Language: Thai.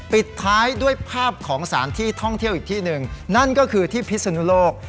ปิดท้ายด้วยภาพของสถานที่ท่องเที่ยวอีกที่หนึ่งนั่นก็คือที่พิศนุโลก